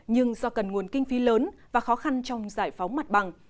nhưng do cần nguồn kinh phí lớn và khó khăn trong giải phóng mặt bằng